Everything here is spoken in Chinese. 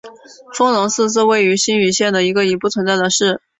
丰荣市是位于新舄县的一个已不存在的市。